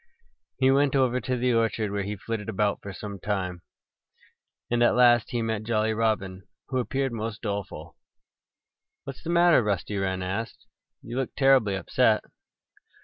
He went over to the orchard, where he flitted about for some time. And at last he met Jolly Robin, who appeared most doleful. "What's the matter?" Rusty Wren asked. "You look terribly upset."